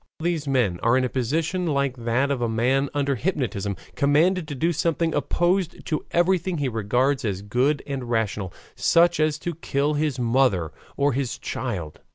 All these men are in a position like that of a man under hypnotism, commanded to do something opposed to everything he regards as good and rational, such as to kill his mother or his child.